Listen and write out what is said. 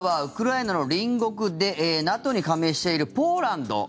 さて、ここからはウクライナの隣国でＮＡＴＯに加盟しているポーランド。